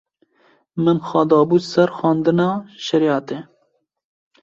min xwe dabû ser xwendina şerîetê